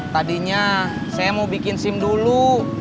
tadinya saya mau bikin sim dulu